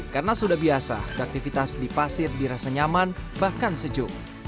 karena sudah biasa aktivitas di pasir dirasa nyaman bahkan sejuk